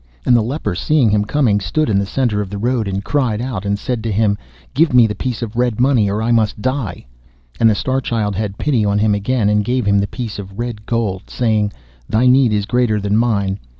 And the leper seeing him coming, stood in the centre of the road, and cried out, and said to him, 'Give me the piece of red money, or I must die,' and the Star Child had pity on him again, and gave him the piece of red gold, saying, 'Thy need is greater than mine.